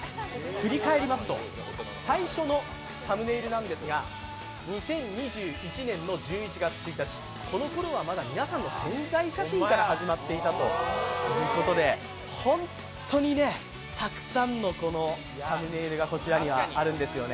振り返りますと、最初のサムネイルなんですが、２０２１年１１月１日、このころはまだ皆さんの宣材写真から始まっていたということで本当にたくさんのサムネイルがこちらにはあるんですよね。